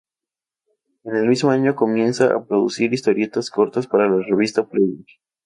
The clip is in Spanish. En el mismo año, comienza a producir historietas cortas para la revista "Playboy".